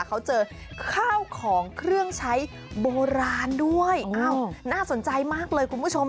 เขาเจอข้าวของเครื่องใช้โบราณด้วยอ้าวน่าสนใจมากเลยคุณผู้ชม